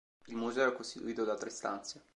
Il museo è costituito da tre stanze.